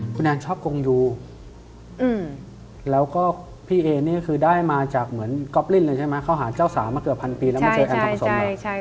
คุณแอนชอบกงยูแล้วก็พี่เอนี่ก็คือได้มาจากเหมือนก๊อปลิ้นเลยใช่ไหมเขาหาเจ้าสาวมาเกือบพันปีแล้วมาเจอแอนทองผสมเลย